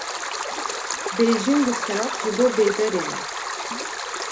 bêjing û serad ji bo bêderê ne